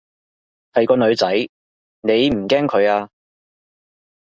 係個女仔，你唔驚佢啊？